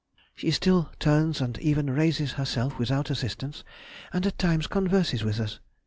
She still turns and even raises herself without assistance, and at times converses with us....